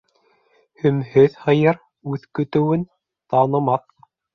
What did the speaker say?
Һөмһөҙ һыйыр үҙ көтөүен танымаҫ.